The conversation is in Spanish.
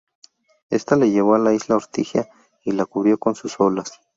Ésta la llevó a la isla Ortigia y la cubrió con sus olas.